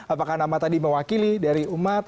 apakah nama tadi mewakili dari umat